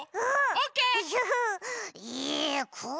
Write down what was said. オッケー！